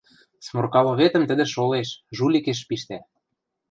Сморкаловетӹм тӹдӹ шолеш, жуликеш пиштӓ...